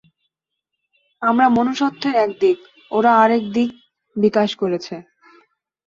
আমরা মনুষ্যত্বের একদিক, ওরা আর একদিক বিকাশ করেছে।